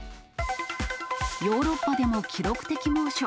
ヨーロッパでも記録的猛暑。